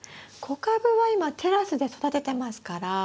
小カブは今テラスで育ててますから。